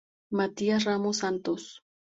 Matías Ramos Santos.